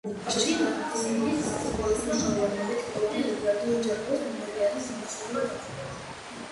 ვარშავაში ბრანდტის ვიზიტის ყველაზე მნიშვნელოვანი მომენტი პოლონელ ებრაელთა აჯანყების მემორიალის მონახულება გახლდათ.